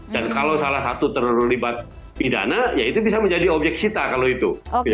dan kalau salah satu terlibat pidana ya itu bisa menjadi objek sita kalau itu